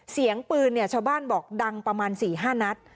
เสียงปืนเนี่ยชาวบ้านบอกดังประมาณ๔๕นัด